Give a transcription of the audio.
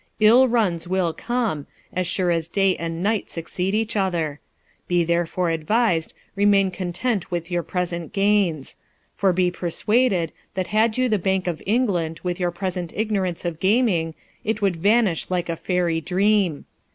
Ill runs will come, as sure as day and night succeed each other. Be therefore advised, remain content with your present gains ; for be persuaded, that had you the Bank of England, with your present ignorance of gaming, it would vanish like a fairy dream.